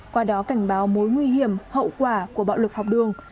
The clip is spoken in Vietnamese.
qua đó cảnh báo mối nguy hiểm hậu quả của bạo lực học đường